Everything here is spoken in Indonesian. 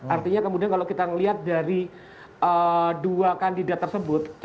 artinya kemudian kalau kita melihat dari dua kandidat tersebut